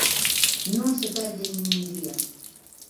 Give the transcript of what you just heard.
Non se perde nin un día.